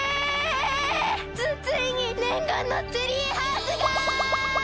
つついにねんがんのツリーハウスが！